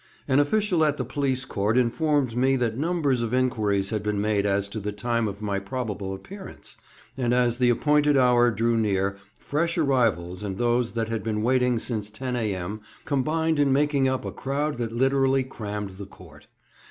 An official at the police court informed me that numbers of inquiries had been made as to the time of my probable appearance; and as the appointed hour drew near fresh arrivals and those that had been waiting since 10 A.M. combined in making up a crowd that literally crammed the court.